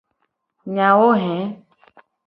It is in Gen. Nyawo he.